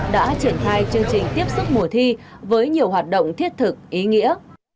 đã triển khai chương trình tiếp sức mùa thi với nhiều hoạt động thiết thực ý nghĩa